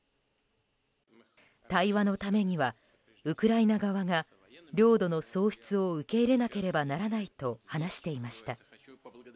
対話のためにはウクライナ側が領土の喪失を受け入れなければならないと話していました。